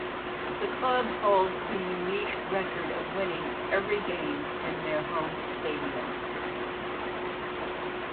The club hold the unique record of winning every game in their home stadium.